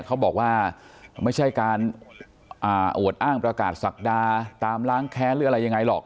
เขาบอกว่าไม่ใช่การอวดอ้างประกาศศักดาตามล้างแค้นหรืออะไรยังไงหรอก